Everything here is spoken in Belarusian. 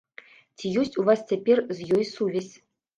Ці ёсць у вас цяпер з ёй сувязь?